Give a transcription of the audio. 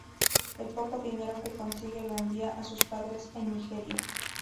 El poco dinero que consigue, lo envía a sus padres en Nigeria.